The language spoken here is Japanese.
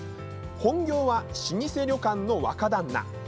本業は老舗旅館の若旦那。